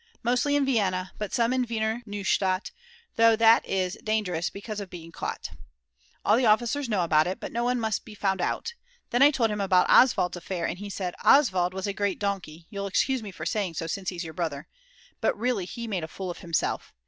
Mostly in Vienna, but some in Wiener Neustadt though that is dangerous because of being caught. All the officers know about it, but no one must be found out. Then I told him about Oswald's affair and he said: "Oswald was a great donkey, you'll excuse me for saying so since he's your brother; but really he made a fool of himself.